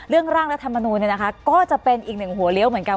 เรื่องร่างรัฐมนุมเนี่ยนะคะก็จะเป็นอีกหนึ่งหัวเลี้ยวเหมือนกัน